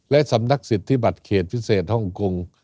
และสำนักสิทธิบัตรเขตพิเศษฮ่องกง